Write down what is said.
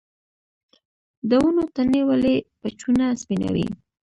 د ونو تنې ولې په چونه سپینوي؟